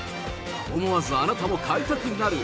思わずあなたも買いたくなる。